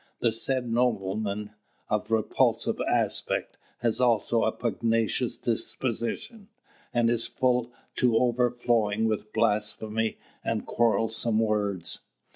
The said nobleman, of repulsive aspect, has also a pugnacious disposition, and is full to overflowing with blasphemy and quarrelsome words."